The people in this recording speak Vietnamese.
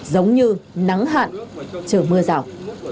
giống như nắng hạn chờ mưa rào